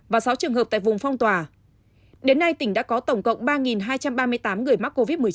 và sáu trường hợp tại vùng phong tỏa đến nay tỉnh đã có tổng cộng ba hai trăm ba mươi tám người mắc covid một mươi chín